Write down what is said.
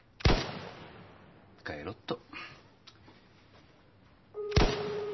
帰ろっと。